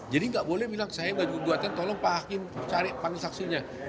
jadi tidak boleh bilang saya buat gugatan tolong pak hakim cari panggil saksinya